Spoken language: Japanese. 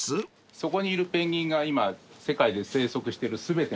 そこにいるペンギンが今世界で生息してる全てのペンギン。